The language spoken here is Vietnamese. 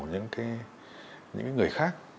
những người khác